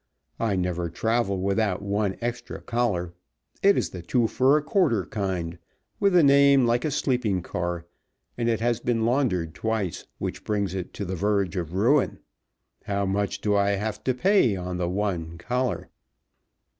I never travel without one extra collar. It is the two for a quarter kind, with a name like a sleeping car, and it has been laundered twice, which brings it to the verge of ruin. How much do I have to pay on the one collar?"